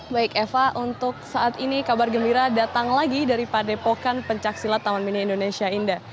baik eva untuk saat ini kabar gembira datang lagi dari padepokan pencaksilat taman mini indonesia indah